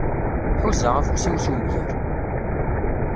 Ḥuzaɣ afus-iw s umger.